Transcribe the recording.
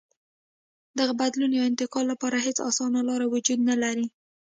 دغه بدلون یا انتقال لپاره هېڅ اسانه لار وجود نه لري.